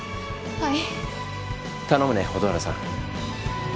はい！